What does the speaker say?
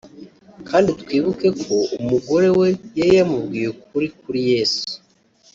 Kandi twibuke ko umugore we yari yamubwiye ukuri kuri Yesu